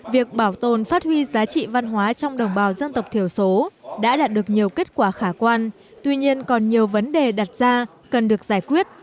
việc bảo tồn phát huy giá trị văn hóa trong đồng bào dân tộc thiểu số đã đạt được nhiều kết quả khả quan tuy nhiên còn nhiều vấn đề đặt ra cần được giải quyết